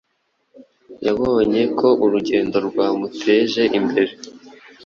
yabonye ko urugendo rwamuteje imbere